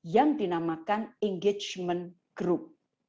yang dinamakan engagement group